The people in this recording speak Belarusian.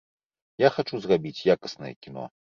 Я хачу зрабіць якаснае кіно.